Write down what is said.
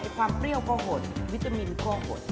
ความเปรี้ยวก็หดวิตามินก็หด